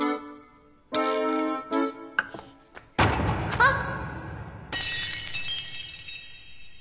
あっ！